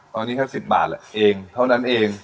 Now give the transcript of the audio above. ตอนนี้แค่๑๐บาทแหละเองเท่านั้นเอง